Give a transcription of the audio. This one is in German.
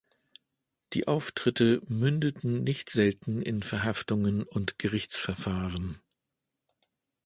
Die Auftritte mündeten nicht selten in Verhaftungen und Gerichtsverfahren.